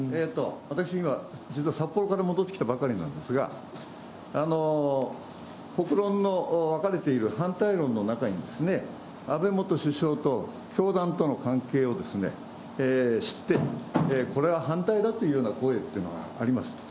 私今、札幌から戻ってきたばかりなんですが、国論の分かれている反対論の中に、安倍元首相と、教団との関係を知って、これは反対だというような声というのはあります。